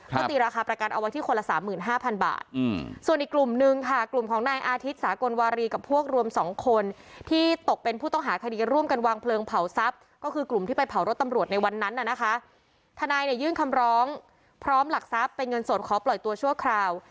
ในวันนั้นนะคะทนายเนี้ยยื่นคำร้องพร้อมหลักซักเป็นเงินสดขอปล่อยตัวช่วนคราว